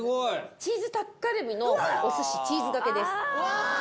チーズタッカルビのお寿司チーズがけです。